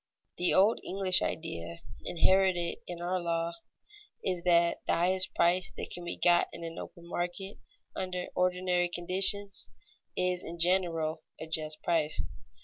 The old English idea, inherited in our law, is that the highest price that can be got in an open market, under ordinary conditions, is in general a just price.